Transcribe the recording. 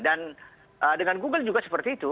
dan dengan google juga seperti itu